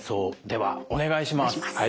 ではお願いします。